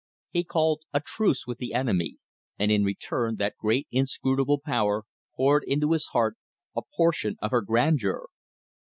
He called a truce with the enemy; and in return that great inscrutable power poured into his heart a portion of her grandeur.